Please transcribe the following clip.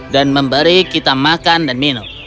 dan memberi kita makan dan minum